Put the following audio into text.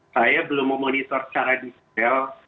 saya belum memonitor secara detail